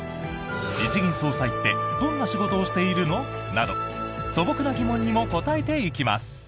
日銀総裁ってどんな仕事をしているの？など素朴な疑問にも答えていきます。